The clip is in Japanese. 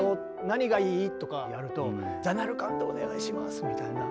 何がいい？」とかやると「ザナルカンドお願いします」みたいな。